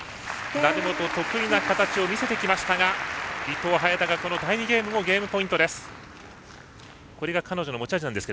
成本、得意な形を見せてきましたが伊藤、早田が第２ゲームもゲームポイントです。